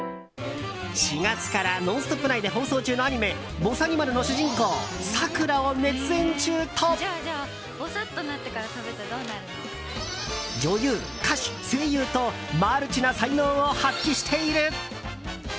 ４月から「ノンストップ！」内で放送中のアニメ「ぼさにまる」の主人公さくらを熱演中と女優、歌手、声優とマルチな才能を発揮している。